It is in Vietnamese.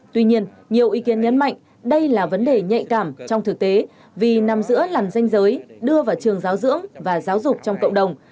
tuy nhiên nhiều ý kiến nhấn mạnh đây là vấn đề nhạy cảm trong thực tế vì nằm giữa lằn danh giới đưa vào trường giáo dưỡng và giáo dục trong cộng đồng